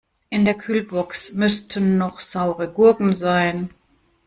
In der Kühlbox müssten noch saure Gurken sein.